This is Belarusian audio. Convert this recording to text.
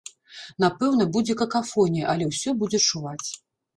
Напэўна, будзе какафонія, але ўсё будзе чуваць.